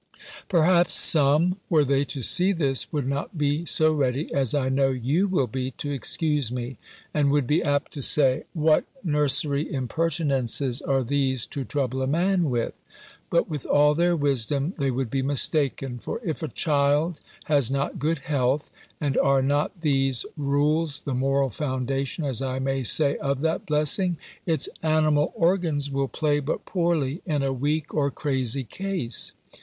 Perhaps some, were they to see this, would not be so ready, as I know you will be, to excuse me; and would be apt to say, "What nursery impertinences are these to trouble a man with!" But with all their wisdom, they would be mistaken; for if a child has not good health, (and are not these rules the moral foundation, as I may say, of that blessing?) its animal organs will play but poorly in a weak or crazy case.